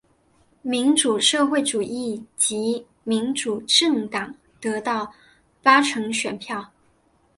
民主社会主义及民主政党得到八成选票。